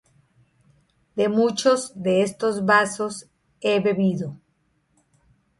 De muchos de estos Vasos he bebido".